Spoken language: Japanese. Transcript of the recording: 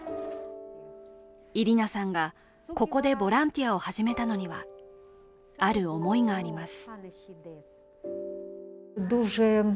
イリナさんが、ここでボランティアを始めたのには、ある思いがあります。